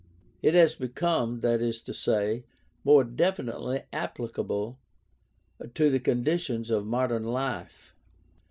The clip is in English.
It has become, that is to say, more definitely applicable to the conditions of modern life.